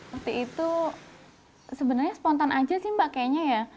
waktu itu sebenarnya spontan aja sih mbak kayaknya ya